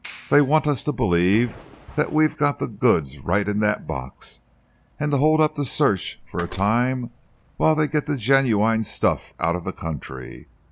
They want us to believe that we've got the goods right in that box, and to hold up the search for a time while they get the genuine stuff out of the country.